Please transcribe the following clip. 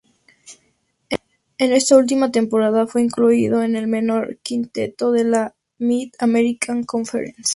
En su última temporada fue incluido en el mejor quinteto de la Mid-American Conference.